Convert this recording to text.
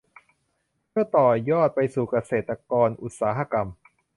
เพื่อต่อยอดไปสู่เกษตรอุตสาหกรรม